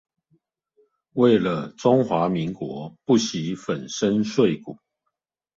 為了中華民國不惜粉身碎骨